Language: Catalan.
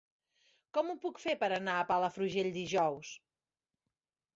Com ho puc fer per anar a Palafrugell dijous?